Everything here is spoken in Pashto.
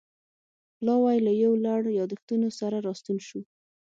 پلاوی له یو لړ یادښتونو سره راستون شو.